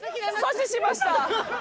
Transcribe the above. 阻止しました！